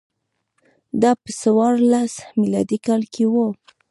دا په څوارلس میلادي کال کې و